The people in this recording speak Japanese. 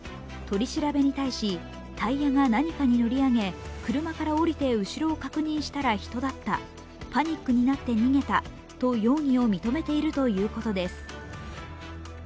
取り調べに対し、タイヤが何かに乗り上げ、車から下りて後ろを確認したら人だった、パニックになって逃げたと容疑を認めているということです。